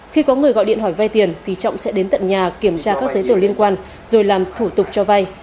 khi có người gọi điện hỏi vay tiền thì trọng sẽ đến tận nhà kiểm tra các giấy tờ liên quan rồi làm thủ tục cho vay